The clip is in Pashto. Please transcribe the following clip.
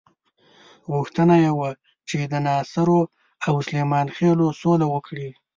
غوښتنه یې وه چې د ناصرو او سلیمان خېلو سوله وکړي.